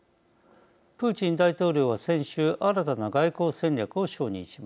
プーチン大統領は先週新たな外交戦略を承認しました。